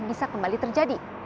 bisa kembali terjadi